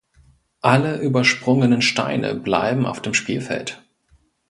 Alle übersprungenen Steine bleiben auf dem Spielfeld.